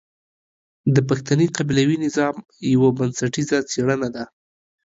د پښتني قبيلوي نظام يوه بنسټيزه څېړنه ده.